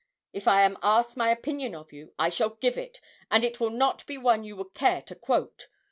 If I am asked my opinion of you, I shall give it, and it will not be one you would care to quote.